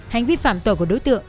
hành vi phạm tội của đối tượng